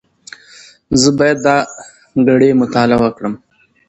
زه باید دا ګړې مطالعه کړم.